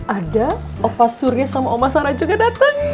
ada opa surya sama oma sara juga dateng